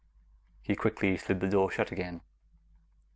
He quickly slid the door shut again.